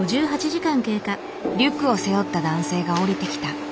リュックを背負った男性が降りてきた。